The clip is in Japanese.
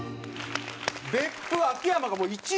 別府秋山が１位？